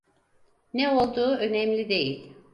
Ne olduğu önemli değil.